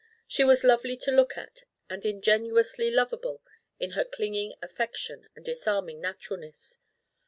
She was lovely to look at and ingenuously lovable in her clinging affection and disarming naturalness.